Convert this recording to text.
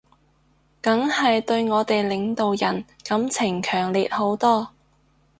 梗係對我哋領導人感情強烈好多